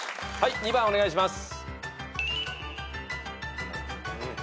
２番お願いします。